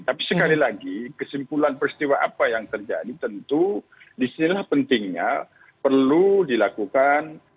tapi sekali lagi kesimpulan peristiwa apa yang terjadi tentu disinilah pentingnya perlu dilakukan